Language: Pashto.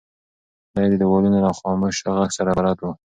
دی د دیوالونو له خاموشه غږ سره بلد و.